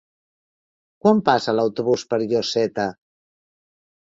Quan passa l'autobús per Lloseta?